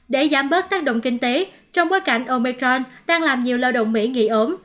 để giảm bớt tác động kinh tế trong bối cảnh omicron đang làm nhiều lao động mỹ nghỉ ốm